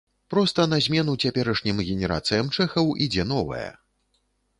Проста на змену цяперашнім генерацыям чэхаў ідзе новая.